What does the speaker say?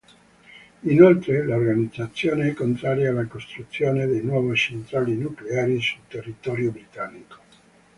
Inoltre, l'organizzazione è contraria alla costruzione di nuove centrali nucleari sul territorio britannico.